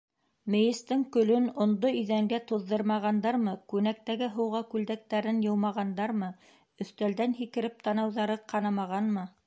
Мейестең көлөн, ондо иҙәнгә туҙҙырмағандармы, күнәктәге һыуға күлдәктәрен йыумағандармы, өҫтәлдән һикереп танауҙары ҡанамағанмы?